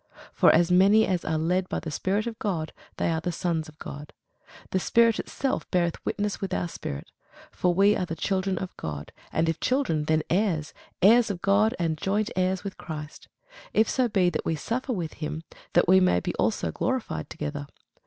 For as many as are led by the Spirit of God, they are the sons of God. The Spirit itself beareth witness with our spirit, that we are the children of God: and if children, then heirs; heirs of God, and joint heirs with Christ; if so be that we suffer with him, that we may be also glorified together.